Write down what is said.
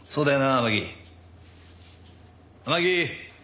天樹！